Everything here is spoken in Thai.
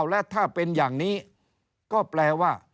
และถ้าเป็นอย่างนี้ก็แปลว่า